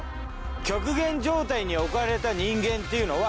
極限状態に置かれた人間っていうのは。